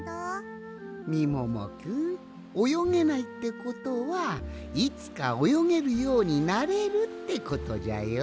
みももくんおよげないってことはいつかおよげるようになれるってことじゃよ。